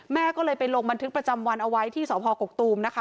แม่ก็เลยไปลงบันทึกประจำวันเอาไว้ที่สพกกตูมนะคะ